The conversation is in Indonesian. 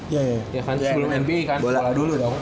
ya kan sebelum nba kan bola dulu dong